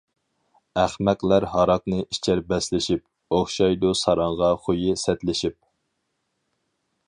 ئەخمەقلەر ھاراقنى ئىچەر بەسلىشىپ، ئوخشايدۇ ساراڭغا خۇيى سەتلىشىپ.